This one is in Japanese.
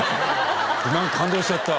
なんか感動しちゃった。